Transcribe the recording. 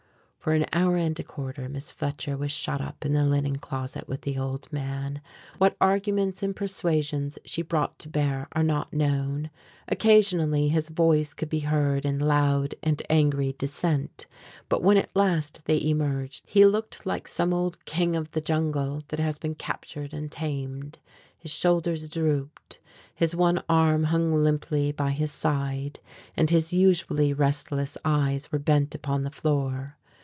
For an hour and a quarter Miss Fletcher was shut up in the linen closet with the old man. What arguments and persuasions she brought to bear are not known. Occasionally his voice could be heard in loud and angry dissent, but when at last they emerged he looked like some old king of the jungle that has been captured and tamed. His shoulders drooped, his one arm hung limply by his side, and his usually restless eyes were bent upon the floor.